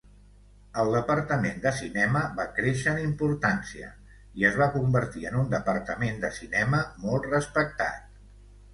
El departament de cinema va créixer en importància i es va convertir en un departament de cinema molt respectat.